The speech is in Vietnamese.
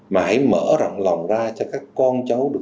mà hãy mở rộng lòng ra cho các con cháu được